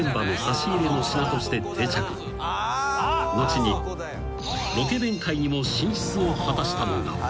［後にロケ弁界にも進出を果たしたのが］